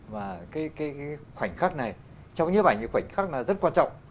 và cái khoảnh khắc này trong những ảnh thì khoảnh khắc này rất quan trọng